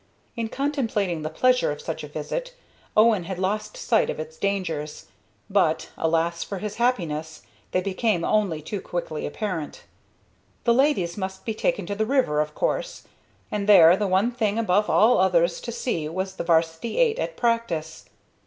In contemplating the pleasure of such a visit, Owen had lost sight of its dangers; but, alas for his happiness! they became only too quickly apparent. The ladies must be taken to the river, of course, and there the one thing above all others to see was the 'varsity eight at practice.